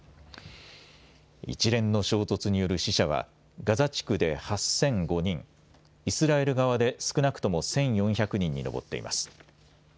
一連の衝突による死者は、ガザ地区で８００５人、イスラエル側で少なくとも１４００人に上っています。